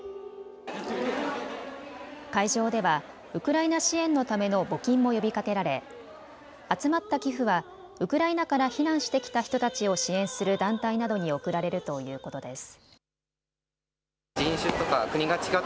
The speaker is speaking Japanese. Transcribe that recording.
会場ではウクライナ支援のための募金も呼びかけられ集まった寄付はウクライナから避難してきた人たちを支援する団体などに送られるということです。